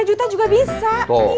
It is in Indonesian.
lima juta juga bisa